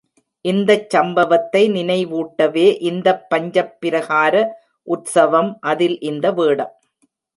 இந்தச் சம்பவத்தை நினைவூட்டவே இந்தப் பஞ்சப் பிரகார உற்சவம், அதில் இந்த வேடம்!